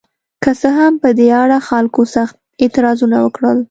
که څه هم په دې اړه خلکو سخت اعتراضونه وکړل.